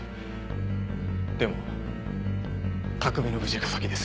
でも卓海の無事が先です。